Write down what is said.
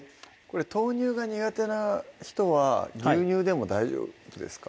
豆乳が苦手な人は牛乳でも大丈夫ですか？